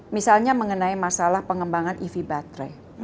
misalnya mengenai masalah pengembangan ev baterai